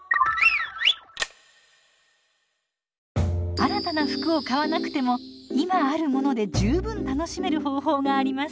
新たな服を買わなくても今あるもので十分楽しめる方法があります。